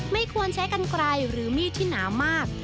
ไม่ควรใช้กันไกลหรือมีดที่หนามาก